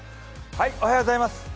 おはようございます。